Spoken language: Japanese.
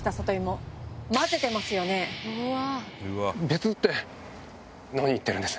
別って何言ってるんです。